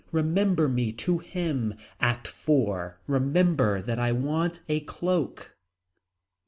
Remember me to him. ACT IV. Remember that I want a cloak.